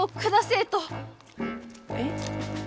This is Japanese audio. えっ？